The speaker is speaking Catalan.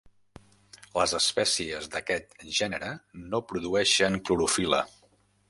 Les espècies d'aquest gènere no produeixen clorofil·la.